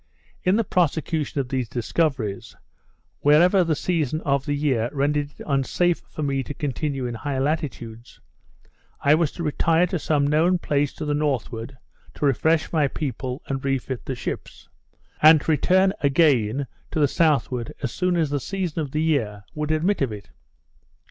In the prosecution of these discoveries, wherever the season of the year rendered it unsafe for me to continue in high latitudes, I was to retire to some known place to the northward, to refresh my people, and refit the ships; and to return again to the southward as soon as the season of the year would admit of it.